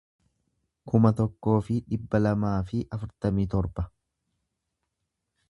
kuma tokkoo fi dhibba lamaa fi afurtamii torba